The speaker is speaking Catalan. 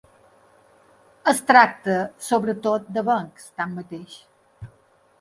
Es tracta, sobretot, d'avencs, tanmateix.